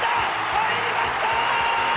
入りました！